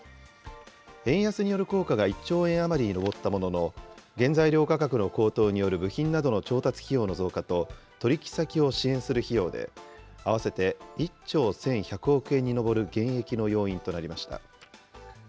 円安による効果が１兆円余りに上ったものの、原材料価格の高騰による部品などの調達費用の増加と、取り引き先を支援する費用で合わせて１兆１１００億円に上る減益の要因となりました。